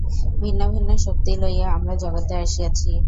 ভিন্ন ভিন্ন শক্তি লইয়া আমরা জগতে আসিয়াছি।